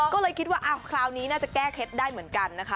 ก็เลยคิดว่าคราวนี้น่าจะแก้เคล็ดได้เหมือนกันนะคะ